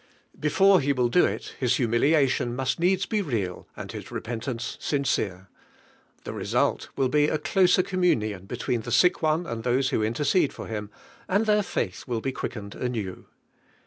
Be fore he will do it, his himiilialion must needs he real and his repentance sincere. DIVINE 1IEALIKO. The result will be a closer coi union between the sick one and those who in tercede for him, and their faith will be quickened anew.